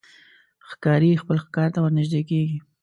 ښکاري خپل ښکار ته ورنژدې کېږي.